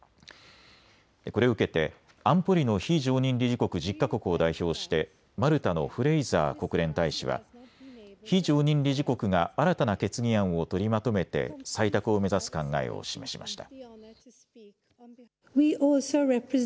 これを受けて安保理の非常任理事国１０か国を代表してマルタのフレイザー国連大使は、非常任理事国が新たな決議案を取りまとめて採択を目指す考えを示しました。